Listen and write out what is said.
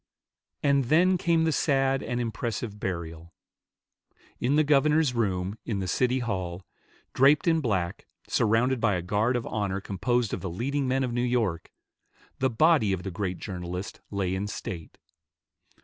And then came the sad and impressive burial. In the governor's room in the City Hall, draped in black, surrounded by a guard of honor composed of the leading men of New York, the body of the great journalist lay in state.